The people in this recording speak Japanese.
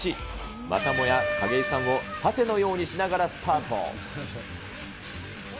またもや景井さんを盾のようにしながらスタート。